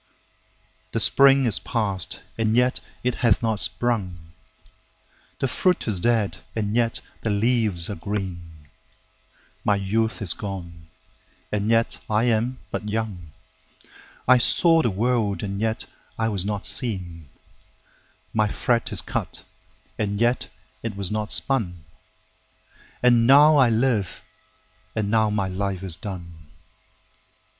7The spring is past, and yet it hath not sprung,8The fruit is dead, and yet the leaves are green,9My youth is gone, and yet I am but young,10I saw the world, and yet I was not seen,11My thread is cut, and yet it was not spun,12And now I live, and now my life is done.